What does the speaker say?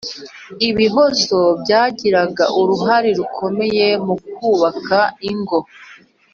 ibihozo byagiraga uruhare rukomeye mu kubaka ingo